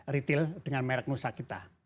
retail dengan merek nusa kita